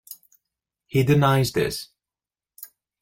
He denies this.